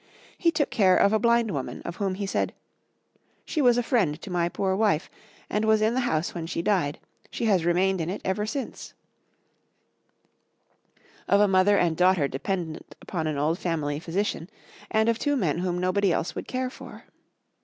He took care of a blind woman of whom he said, "She was a friend to my poor wife, and was in the house when she died, she has remained in it ever since," of a mother and daughter dependent upon an old family physician, and of two men whom nobody else would care for.